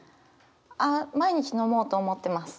あ毎日飲もうと思ってます。